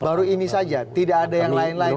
baru ini saja tidak ada yang lain lain